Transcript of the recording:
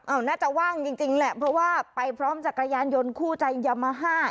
น่าจะว่างจริงแหละเพราะว่าไปพร้อมจักรยานยนต์คู่ใจยามาฮ่า